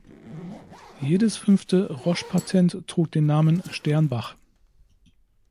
Jedes fünfte Roche-Patent trug den Namen Sternbach.